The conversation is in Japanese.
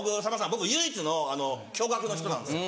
僕唯一の共学の人なんですよ。